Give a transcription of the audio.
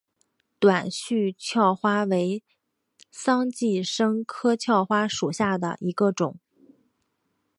短序鞘花为桑寄生科鞘花属下的一个种。